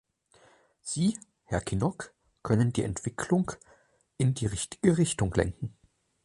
Sie, Herr Kinnock, können die Entwicklung in die richtige Richtung lenken.